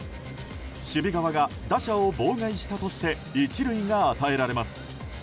守備側が打者を妨害したとして１塁が与えられます。